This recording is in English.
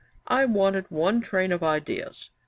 I wanted one train of ideas.